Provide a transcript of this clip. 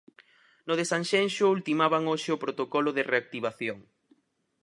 No de Sanxenxo ultimaban hoxe o protocolo de reactivación.